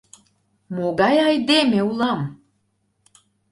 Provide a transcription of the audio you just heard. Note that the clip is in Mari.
— Могай айдеме улам?